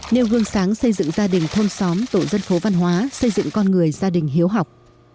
nêu gương sáng xây dựng gia đình thôn xóm tổ dân phố văn hóa xây dựng con người gia đình hiếu học